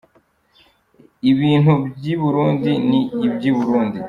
Ibintu by’i Burundi ni i by’i Burundi.